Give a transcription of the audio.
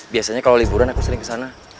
biasanya kalau liburan aku sering ke sana